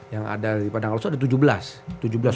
yang ada di padang lawas itu ada tujuh belas